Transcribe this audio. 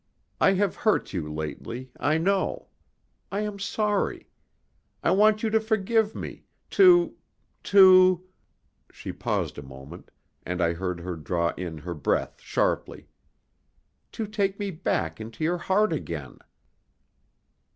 I have hurt you lately, I know. I am sorry. I want you to forgive me, to to" she paused a moment, and I heard her draw in her breath sharply "to take me back into your heart again."